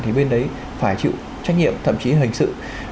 thì bên đấy phải chịu trách nhiệm thậm chí hình sự